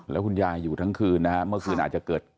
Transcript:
แล้วคุณยายอยู่ทั้งคืนนะฮะเมื่อคืนอาจจะเกิด